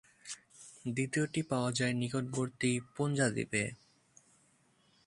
দ্বিতীয়টি পাওয়া যায় নিকটবর্তী পোনজা দ্বীপে।